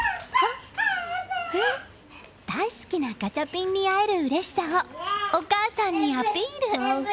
大好きなガチャピンに会えるうれしさをお母さんにアピール！